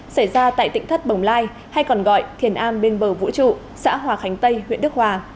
xảy ra tại tỉnh thất bồng lai hay còn gọi thiền an bên bờ vũ trụ xã hòa khánh tây huyện đức hòa